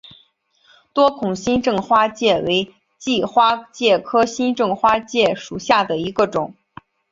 多孔新正花介为荆花介科新正花介属下的一个种。